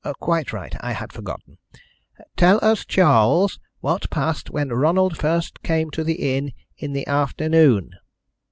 "Quite right. I had forgotten. Tell us, Charles, what passed when Ronald first came to the inn in the afternoon."